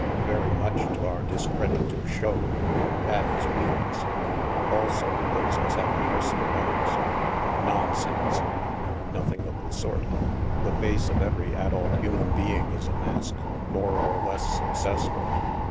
' Very much to our discredit to show. That is weakness. Also it puts us at the mercy of others." " Nonsense I "" Nothing of the sort. The face of every adult human being is a mask — more or less successful.